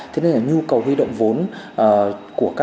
thế nên là nhu cầu huy động vốn của các doanh nghiệp bất động sản